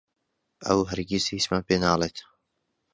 ئەو هەرگیز هیچمان پێ ناڵێت.